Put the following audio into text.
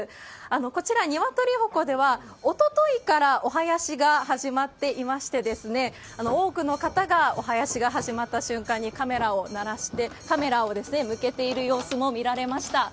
こちら、鶏鉾では、おとといからお囃子が始まっていまして、多くの方がお囃子が始まった瞬間にカメラを向けている様子も見られました。